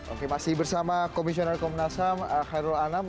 oke masih bersama komisioner komnas ham khairul anam